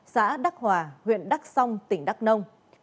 xã đắc hòa huyện đắc song tỉnh đắc nông